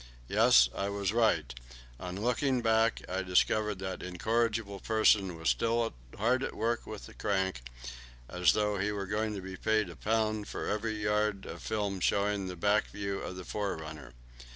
Yes, I was right on looking back I discovered that incorrigible person still hard at work with the crank, as though he were going to be paid a pound for every yard of film showing the back view of the forerunner.